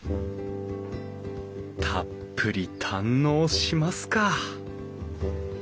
たっぷり堪能しますか！